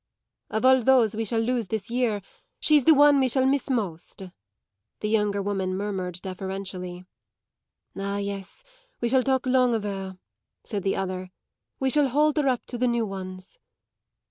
"Of all those we shall lose this year she's the one we shall miss most," the younger woman murmured deferentially. "Ah, yes, we shall talk long of her," said the other. "We shall hold her up to the new ones."